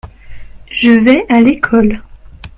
Je vais à l’école.